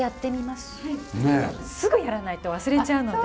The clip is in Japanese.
すぐやらないと忘れちゃうので。